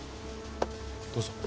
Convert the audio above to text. どうぞ。